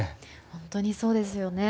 本当にそうですよね。